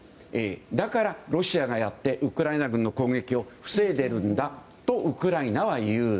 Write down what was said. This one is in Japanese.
だから、ロシアがやってウクライナ軍の攻撃を防いでいるんだとウクライナはいう。